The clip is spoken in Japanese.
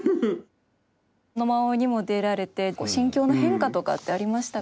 野馬追にも出られて心境の変化とかってありましたか？